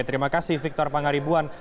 terima kasih victor pangaribuan